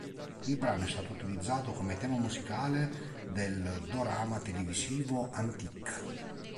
Il brano è stato utilizzato come tema musicale del dorama televisivo "Antique".